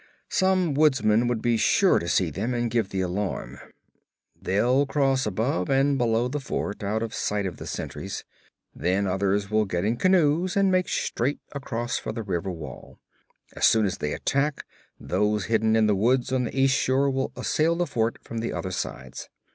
'Some woodsman would be sure to see them and give the alarm. They'll cross above and below the fort, out of sight of the sentries. Then others will get in canoes and make straight across for the river wall. As soon as they attack, those hidden in the woods on the east shore will assail the fort from the other sides.